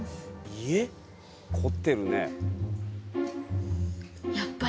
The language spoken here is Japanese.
凝ってるね。